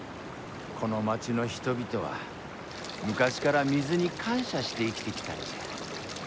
この町の人々は昔から水に感謝して生きてきたんじゃ。